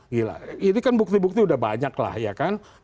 gila ini kan bukti bukti sudah banyak lah ya kan